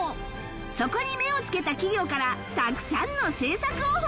そこに目をつけた企業からたくさんの制作オファーが